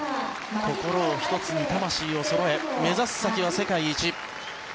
心を一つに魂をそろえ目指す先は世界一。